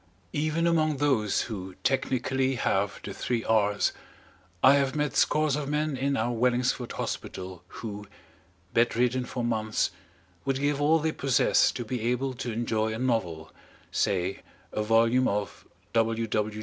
Even among those who technically have "the Three R's," I have met scores of men in our Wellingsford Hospital who, bedridden for months, would give all they possess to be able to enjoy a novel say a volume of W. W.